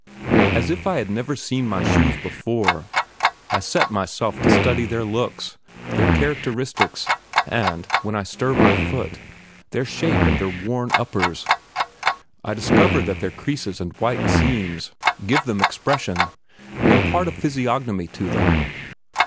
As if I had never seen my shoes before, I set myself to study their looks, their characteristics, and, when I stir my foot, their shape and their worn uppers. I discover that their creases and white seams give them expression impart a physiognomy to them.